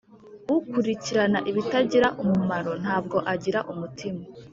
ukurikirana ibitagira umumaro ntabwo agira umutima